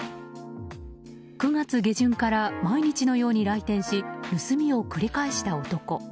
９月下旬から毎日のように来店し盗みを繰り返した男。